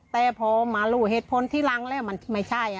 แต่พอมารู้เหตุผลทีหลังแล้วมันไม่ใช่